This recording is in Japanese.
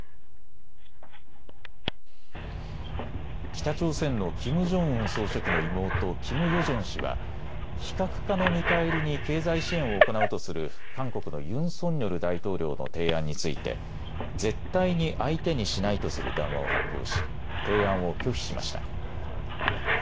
北朝鮮のキム・ジョンウン総書記の妹、キム・ヨジョン氏は非核化の見返りに経済支援を行うとする韓国のユン・ソンニョル大統領の提案について絶対に相手にしないとする談話を発表し提案を拒否しました。